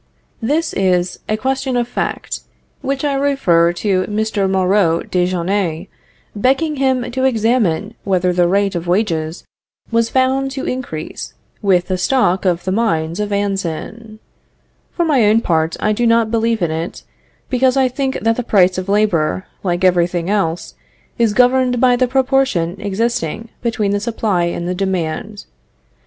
This is a question of fact, which I refer to Mr. Moreau de Jonnès, begging him to examine whether the rate of wages was found to increase with the stock of the mines of Anzin. For my own part I do not believe in it, because I think that the price of labor, like every thing else, is governed by the proportion existing between the supply and the demand.